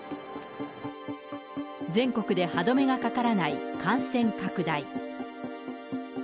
全国で歯止めがかからない感染拡大。